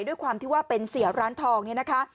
ด้วยความที่ว่าเป็นเสียร้านทองเนี่ยนะคะ